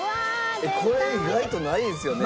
えっこれ意外とないですよね。